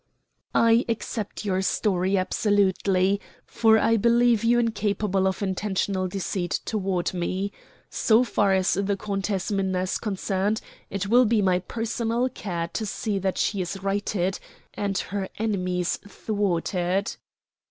"I accept your story absolutely, for I believe you incapable of intentional deceit toward me. So far as the Countess Minna is concerned, it will be my personal care to see that she is righted, and her enemies thwarted."